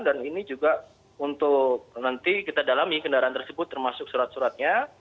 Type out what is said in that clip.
dan ini juga untuk nanti kita dalami kendaraan tersebut termasuk surat suratnya